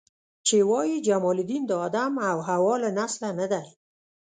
چې وایي جمال الدین د آدم او حوا له نسله نه دی.